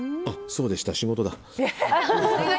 そうでした、仕事だ。